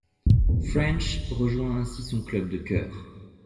French rejoint ainsi son club de cœur.